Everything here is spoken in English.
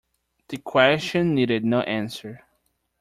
The question needed no answer.